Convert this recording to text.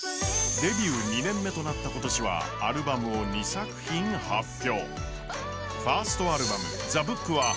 デビュー２年目となった今年はアルバムを２作品発表。